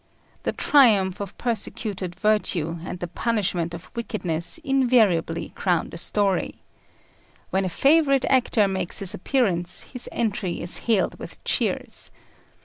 The triumph of persecuted virtue and the punishment of wickedness invariably crown the story. When a favourite actor makes his appearance, his entry is hailed with cheers.